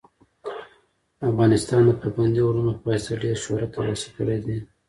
افغانستان د پابندي غرونو په واسطه ډېر شهرت ترلاسه کړی دی.